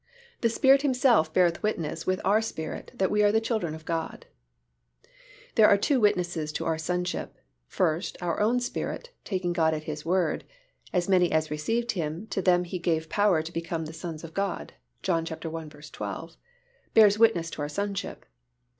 The Spirit Himself beareth witness with our spirit, that we are the children of God." There are two witnesses to our sonship, first, our own spirit, taking God at His Word ("As many as received Him, to them gave He power to become the sons of God," John i. 12), bears witness to our sonship.